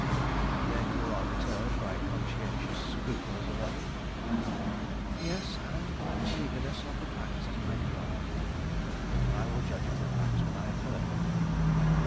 "Then you are deterred by conscientious scruples alone?" "Yes, and by the meagreness of the facts at my command." "I will judge of the facts when I have heard them."